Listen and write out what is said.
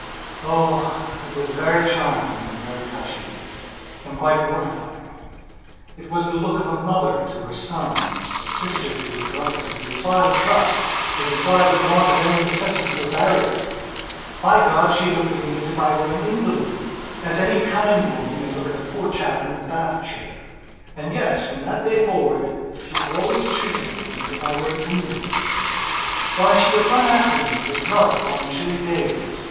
oh, it was very charming and very touchingand quite mortifying. It was the look of a mother to her son, of a sister to her brother. It implied trust; it implied the want of any necessity for barriers. By God, she looked at me as if I were an invalidas any kind woman may look at a poor chap in a bath chair. And, yes, from that day forward she always treated me and not Florence as if I were the invalid. Why, she would run after me with a rug upon chilly days.